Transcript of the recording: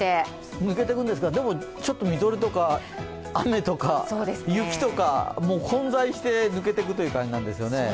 抜けていくんですが、みぞれとか雨とか雪とか、混在して抜けていくという感じなんですよね。